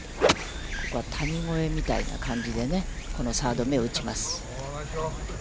ここは谷越えみたいな感じで、サード目を打ちます。